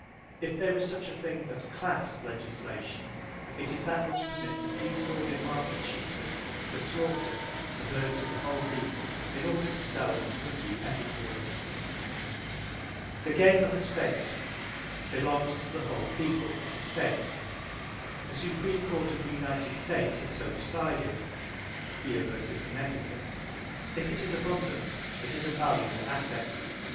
If there is such a thing as "class" legislation, it is that which permits a few sordid market shooters to slaughter the birds of the whole people in order to sell them to a few epicures. The game of a state belongs to the whole people of the state. The Supreme Court of the United States has so decided. (Geer vs. Connecticut). If it is abundant, it is a valuable asset.